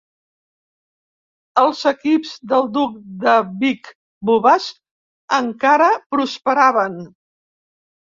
Els equips del Duc de Vic Bubas encara prosperaven.